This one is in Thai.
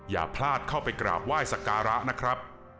อย่าพลาดเข้าไปกราบไหว้สักการะนะครับ